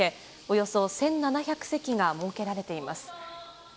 およそ１７００席が設けられています。